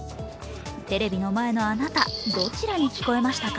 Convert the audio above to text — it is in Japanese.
テレビの前のあなた、どちらに聞こえましたか？